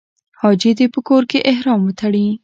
حاجي دې په کور کې احرام وتړي.